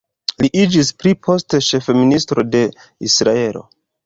Li iĝis pli poste ĉefministro de Israelo.